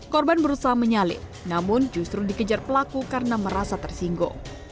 korban berusaha menyalip namun justru dikejar pelaku karena merasa tersinggung